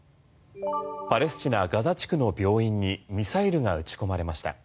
パレスチナ・ガザ地区の病院にミサイルが撃ち込まれました。